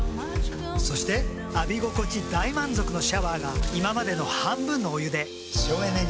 そして浴び心地大満足のシャワーが今までの半分のお湯で省エネに。